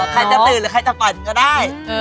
ใครจะตื่นหรือใครจะปล่อยก็ได้